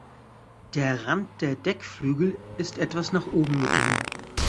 Der Rand der Deckflügel ist etwas nach oben gebogen.